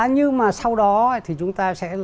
nhưng mà sau đó thì chúng ta sẽ